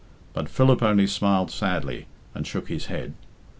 But Philip only smiled sadly and shook his head.